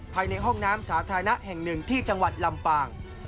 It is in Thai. ภายในห้องน้ำสาธารณะแห่งหนึ่งที่จังหวัดลำปาง